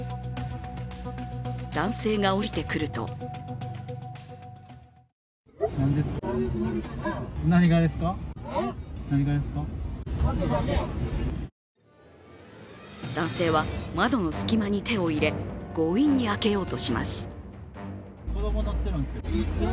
男性が降りてくると男性は窓の隙間に手を入れ、強引に開けようとします。